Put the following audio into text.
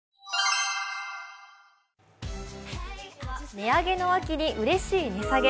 値上げの秋にうれしい値下げ。